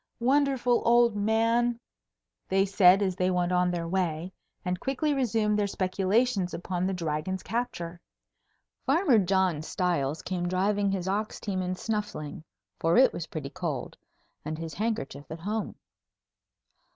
"Wonderful old man," they said as they went on their way, and quickly resumed their speculations upon the Dragon's capture. Farmer John Stiles came driving his ox team and snuffling, for it was pretty cold, and his handkerchief at home.